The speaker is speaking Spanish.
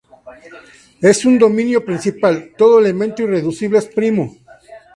En un dominio principal, todo elemento irreducible es primo.